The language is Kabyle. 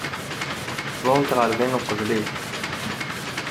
Uwḍent ɣer din uqbel-ik.